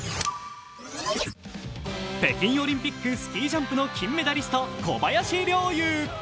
北京オリンピックスキージャンプの金メダリスト・小林陵侑。